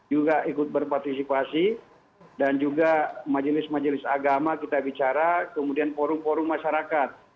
juga ikut berpartisipasi dan juga majelis majelis agama kita bicara kemudian forum forum masyarakat